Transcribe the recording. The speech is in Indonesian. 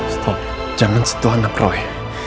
stop jangan sentuh anak roy